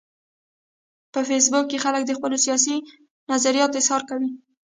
په فېسبوک کې خلک د خپلو سیاسي نظریاتو اظهار کوي